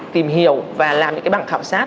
tìm hiểu và làm những cái bảng khảo sát